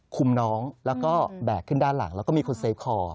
น้องแล้วก็แบกขึ้นด้านหลังแล้วก็มีคนเซฟคอ